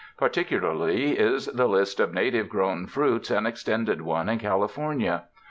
Particu larly is the list of native grown fruits an extended one in California.